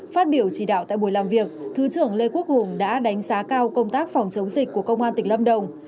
phát biểu chỉ đạo tại buổi làm việc thứ trưởng lê quốc hùng đã đánh giá cao công tác phòng chống dịch của công an tỉnh lâm đồng